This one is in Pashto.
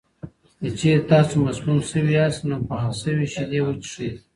که چېرې تاسو مسموم شوي یاست، نو پخه شوې شیدې وڅښئ.